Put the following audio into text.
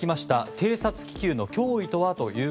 偵察気球の脅威とは？